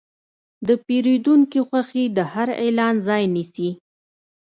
د پیرودونکي خوښي د هر اعلان ځای نیسي.